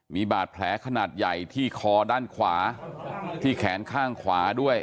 มีบาดแผลขนาดใหญ่ที่คอด้านขวาที่แขนข้างขวาด้วย